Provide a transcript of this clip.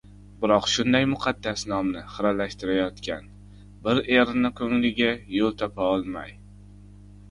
Biroq shunday muqaddas nomni xiralashtirayotgan, bir erni ko‘ngliga yo‘l topa olmay